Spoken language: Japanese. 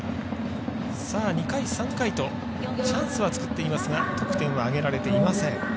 ２回、３回とチャンスは作っていますが得点は挙げられていません。